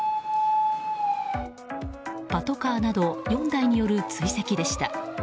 パトカーなど４台による追跡でした。